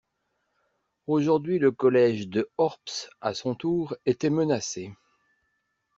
Aujourd'hui le collège de Horps, à son tour, était menacé.